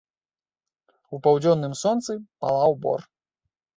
У паўдзённым сонцы палаў бор.